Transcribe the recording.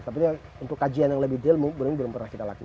tapi untuk kajian yang lebih detail mungkin belum pernah kita lakukan